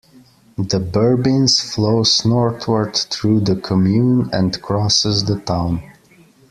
The Bourbince flows northward through the commune and crosses the town.